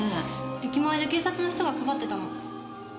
駅前で警察の人が配ってたの。